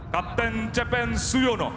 kapten cepen suyono